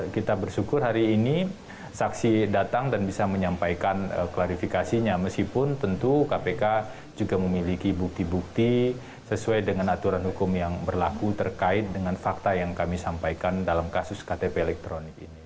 kita bersyukur hari ini saksi datang dan bisa menyampaikan klarifikasinya meskipun tentu kpk juga memiliki bukti bukti sesuai dengan aturan hukum yang berlaku terkait dengan fakta yang kami sampaikan dalam kasus ktp elektronik ini